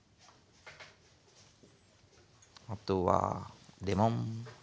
あとはレモン。